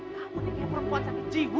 kamu ini kayak perempuan sakit jiwa